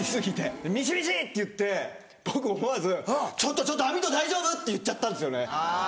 ミシミシっていって僕思わずちょっとちょっと網戸大丈夫⁉って言っちゃったんですよね。